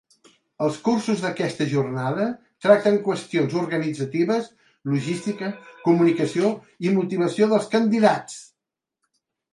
Els cursos d’aquesta jornada tracten qüestions organitzatives, logística, comunicació i motivació dels candidats.